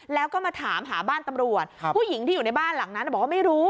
แล้วก็มาถามหาบ้านตำรวจผู้หญิงที่อยู่ในบ้านหลังนั้นบอกว่าไม่รู้